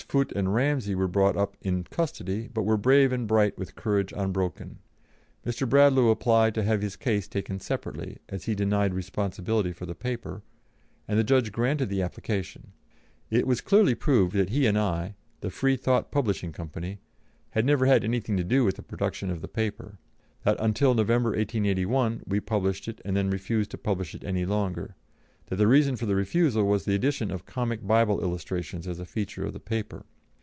Foote and Ramsey were brought up in custody, but were brave and bright with courage unbroken. Mr. Bradlaugh applied to have his case taken separately, as he denied responsibility for the paper, and the judge granted the application; it was clearly proved that he and I the "Freethought Publishing Company" had never had anything to do with the production of the paper; that until November, 1881, we published it, and then refused to publish it any longer; that the reason for the refusal was the addition of comic Bible illustrations as a feature of the paper.